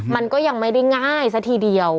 มันก็ยังไม่ได้ง่ายซะทีเดียว